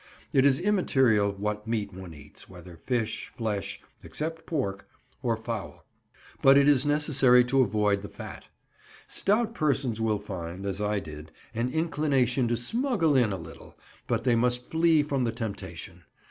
It is immaterial what meat one eats, whether fish, flesh—except pork—or fowl, but it is necessary to avoid the fat. Stout persons will find, as I did, an inclination to smuggle in a little, but they must flee from the temptation.